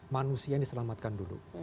manusia ini selamatkan dulu